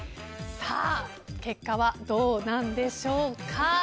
さあ、結果はどうなんでしょうか。